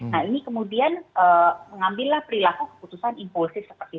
nah ini kemudian mengambillah perilaku keputusan impulsif seperti itu